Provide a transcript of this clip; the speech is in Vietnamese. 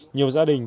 nhiều gia đình